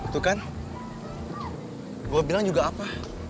tuh kan gue bilang juga apa